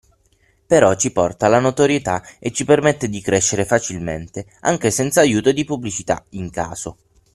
Però ci porta la notorietà e ci permette di crescere facilmente anche senza aiuto di pubblicità, in caso.